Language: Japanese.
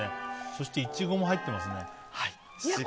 そして、イチゴも入ってますね。